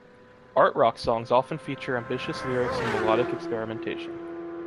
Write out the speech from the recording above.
Art rock songs often feature ambitious lyrics and melodic experimentation.